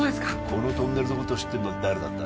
このトンネルのことを知ってるのは誰だった？